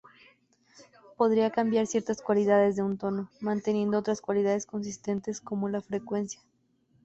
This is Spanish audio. Podría cambiar ciertas cualidades de un tono, manteniendo otras cualidades consistentes, como la frecuencia.